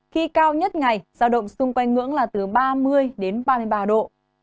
sau này giao động xung quanh ngưỡng là từ ba mươi đến ba mươi ba độ